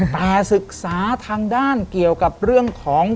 แต่ศึกษาทางด้านเกี่ยวกับเรื่องของ